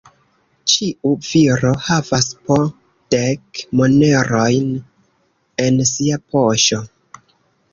Ĉiu viro havas po dek monerojn en sia poŝo.